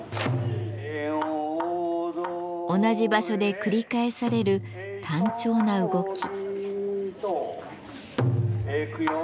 同じ場所で繰り返される単調な動き。